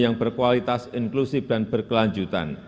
yang berkualitas inklusif dan berkelanjutan